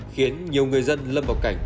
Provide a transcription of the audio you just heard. khiến nhiều người dân lâm vào cảnh